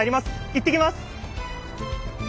いってきます！